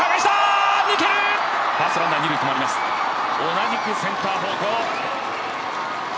同じくセンター方向！